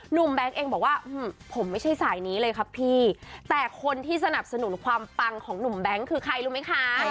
แบงค์เองบอกว่าผมไม่ใช่สายนี้เลยครับพี่แต่คนที่สนับสนุนความปังของหนุ่มแบงค์คือใครรู้ไหมคะ